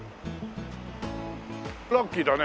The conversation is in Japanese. ラッキーだね。